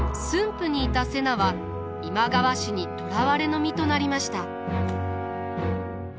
府にいた瀬名は今川氏に捕らわれの身となりました。